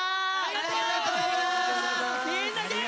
ありがとうございます！